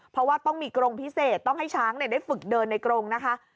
เพราะว่าต้องมีกรงพิเศษต้องให้ช้างได้ฝึกเดินในกรงนะคะ